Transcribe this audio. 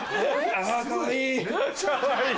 あかわいい。